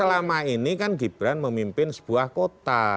selama ini kan gibran memimpin sebuah kota